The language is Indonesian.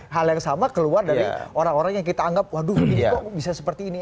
hal yang sama keluar dari orang orang yang kita anggap waduh ini kok bisa seperti ini